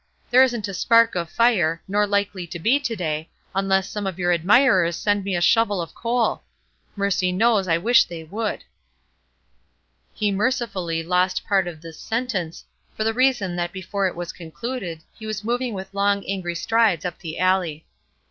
"There isn't a spark of fire, nor likely to be to day, unless some of your admirers send me a shovel of coal. Mercy knows, I wish they would." He mercifully lost part of this sentence, for the reason that before it was concluded he was moving with long, angry strides up the alley.